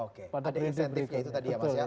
oke ada insentifnya itu tadi ya mas ya